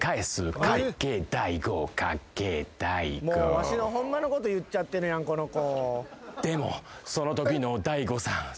もうわしのホンマのこと言っちゃってるやんこの子。